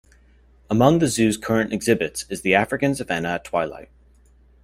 Among the zoo's current exhibits is the African Savannah at Twilight.